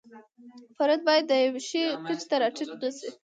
فرد باید د یوه شي کچې ته را ټیټ نشي.